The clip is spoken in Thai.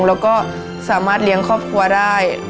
แล้วก็สามารถเลี้ยงครอบครัวได้